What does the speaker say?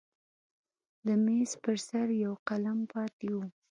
د میز پر سر یو قلم پاتې و.